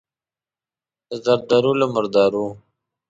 د زردارو، له مردارو.